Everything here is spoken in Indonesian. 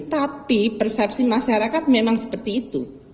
tapi persepsi masyarakat memang seperti itu